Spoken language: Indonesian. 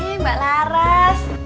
hai mbak laras